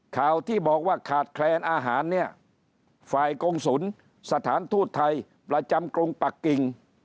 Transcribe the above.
ข่าวที่บอกว่าขาดแคลนอาหารเนี่ยฝ่ายกงศูนย์สถานทูตไทยประจำกรุงปักกิ่ง